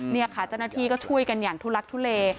นี่ค่ะเจ้าหน้าที่ก็ช่วยกันอย่างทุลักทุเล